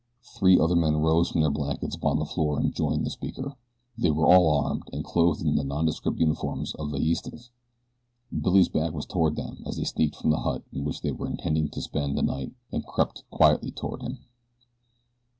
Three other men rose from their blankets upon the floor and joined the speaker. They were all armed, and clothed in the nondescript uniforms of Villistas. Billy's back was toward them as they sneaked from the hut in which they were intending to spend the night and crept quietly toward him.